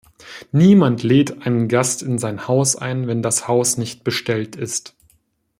Niemand lädt einen Gast in sein Haus ein, wenn das Haus nicht bestellt ist.